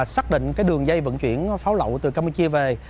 xác định cái đường dây vận chuyển pháo lậu từ campuchia về